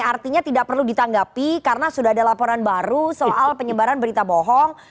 artinya tidak perlu ditanggapi karena sudah ada laporan baru soal penyebaran berita bohong